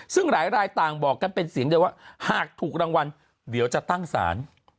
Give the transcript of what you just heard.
ซึ่งหลายรายต่างบอกกันเป็นเสียงเดียวว่าหากถูกรางวัลเดี๋ยวจะตั้งศาล